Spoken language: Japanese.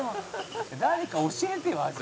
「誰か教えてよ！味」